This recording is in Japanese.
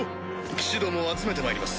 騎士どもを集めてまいります